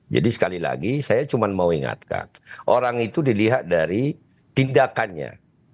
jadi sekali lagi saya cuma ingatkan orang itu dilihat dari tindakannya